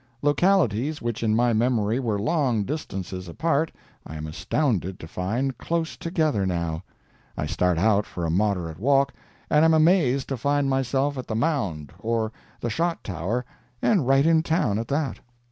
Localities which, in my memory, were long distances apart, I am astounded to find close together now. I start out for a moderate walk, and am amazed to find myself at the Mound or the Shot Tower—and right in town at that.